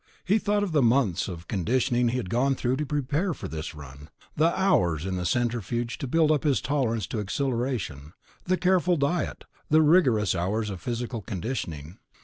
He thought of the months of conditioning he had gone through to prepare for this run ... the hours in the centrifuge to build up his tolerance to accelleration, the careful diet, the rigorous hours of physical conditioning.